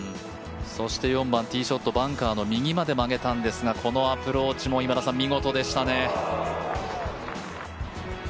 そして４番ティーショットバンカーの右まで曲げたんですがこのアプローチも見事でしたね。